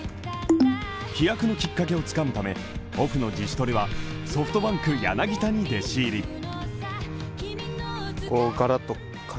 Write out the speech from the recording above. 飛躍のきっかけをつかむため、オフの自主トレはソフトバンク柳田に弟子入り。